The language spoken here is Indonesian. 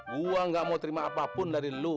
gua ga mau terima apa pun dari lo